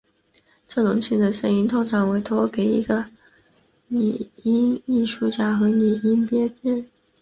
这种轻的声音通常委托给一个拟音艺术家和拟音编辑。